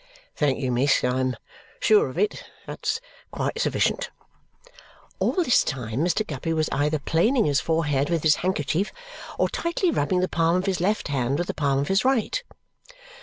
"Thank you, miss. I'm sure of it that's quite sufficient." All this time Mr. Guppy was either planing his forehead with his handkerchief or tightly rubbing the palm of his left hand with the palm of his right.